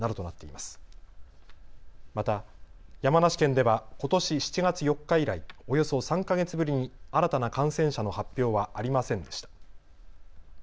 また山梨県ではことし７月４日以来、およそ３か月ぶりに新たな感染者の発表はありませんでした。